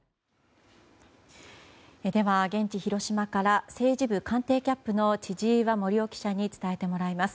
では、現地・広島から政治部官邸キャップの千々岩森生記者に伝えてもらいます。